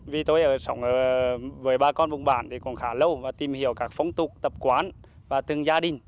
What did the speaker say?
vì tôi ở với bà con vùng bản thì còn khá lâu và tìm hiểu các phong tục tập quán và từng gia đình